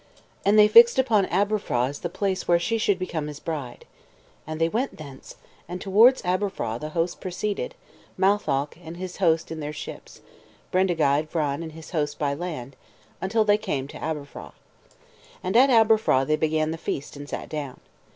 And they fixed upon Aberfraw as the place where she should become his bride. And they went thence, and towards Aberfraw the hosts proceeded, Matholch and his host in their ships, Bendigeid Vran and his host by land, until they came to Aberfraw. And at Aberfraw they began the feast, and sat down.